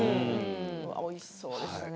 おいしそうですね。